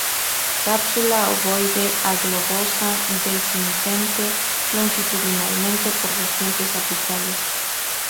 Cápsula ovoide a globosa, dehiscente longitudinalmente por los dientes apicales.